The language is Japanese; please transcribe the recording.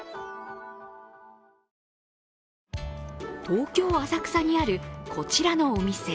東京・浅草にあるこちらのお店。